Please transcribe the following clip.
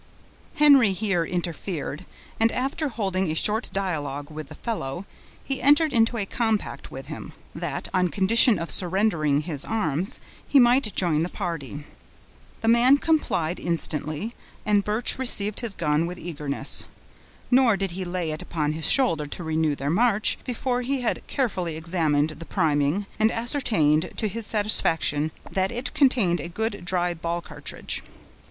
Henry here interfered, and after holding a short dialogue with the fellow, he entered into a compact with him, that, on condition of surrendering his arms, he might join the party. The man complied instantly, and Birch received his gun with eagerness; nor did he lay it upon his shoulder to renew their march, before he had carefully examined the priming, and ascertained, to his satisfaction, that it contained a good, dry, ball cartridge.